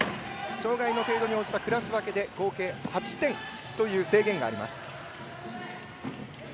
障がいの程度に応じたクラス分けで合計８点という制限があります。